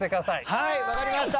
はい分かりました